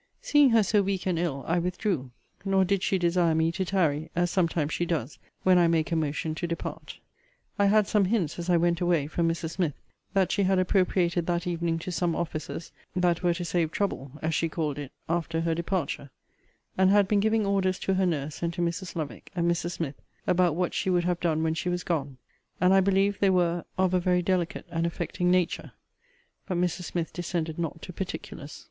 Seeing her so weak and ill, I withdrew; nor did she desire me to tarry, as sometimes she does, when I make a motion to depart. I had some hints, as I went away, from Mrs. Smith, that she had appropriated that evening to some offices, that were to save trouble, as she called it, after her departure; and had been giving orders to her nurse, and to Mrs. Lovick, and Mrs. Smith, about what she would have done when she was gone; and I believe they were of a very delicate and affecting nature; but Mrs. Smith descended not to particulars.